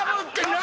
何？